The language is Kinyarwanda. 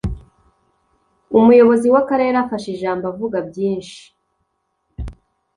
Umuyobozi w’Akarere afashe ijambo avuga byinshi